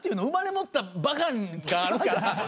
生まれ持ったバカがあるから。